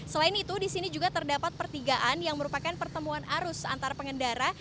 selain itu di sini juga terdapat pertigaan yang merupakan pertemuan arus antara pengendara